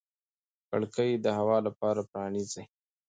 کړکۍ د هوا لپاره پرانیزئ.